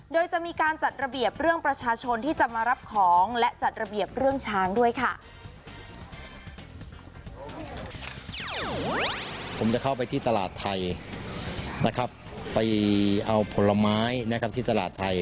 โดยจะมีการจัดระเบียบเรื่องประชาชนที่จะมารับของและจัดระเบียบเรื่องช้างด้วยค่ะ